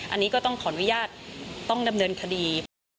อันนี้ก็ต้องขออนุญาตต้องดำเนินคดี